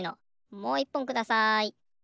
もういっぽんください。